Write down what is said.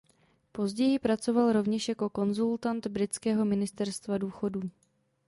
Později pracoval rovněž jako konzultant britského ministerstvo důchodů.